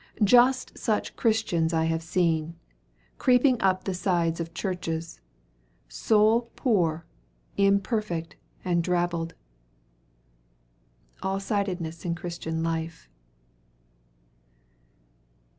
Just such Christians I have seen, creeping up the side of churches, soul poor, imperfect, and drabbled. 'ALL SIDEDNESS IN CHRISTIAN LIFE.'